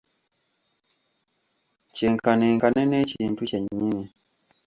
Kyenkanenkane n'ekintu kyennyini.